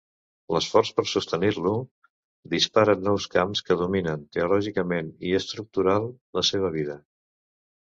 L'esforç per sostenir-lo dispara nous camps que dominen teològicament i estructural la seva obra.